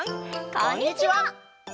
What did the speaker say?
こんにちは。